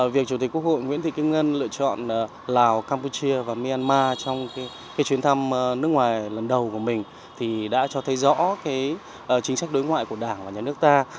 việc chủ tịch quốc hội nguyễn thị kim ngân lựa chọn lào campuchia và myanmar trong chuyến thăm nước ngoài lần đầu của mình thì đã cho thấy rõ chính sách đối ngoại của đảng và nhà nước ta